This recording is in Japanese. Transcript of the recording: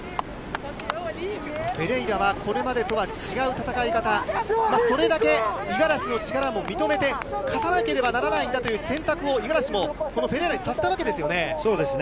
フェレイラはこれまでとは違う戦い方、それだけ五十嵐の力も認めて、勝たなければならないんだという選択を五十嵐もこのフェレイラにさせたわけですよね。